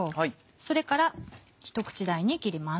それからひと口大に切ります。